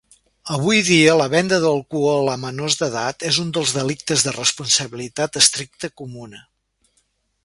Avui dia la venda d'alcohol a menors d'edat és un dels delictes de responsabilitat estricta comuna.